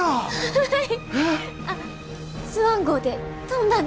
はい。